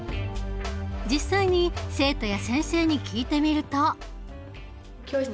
実際に生徒や先生に聞いてみると。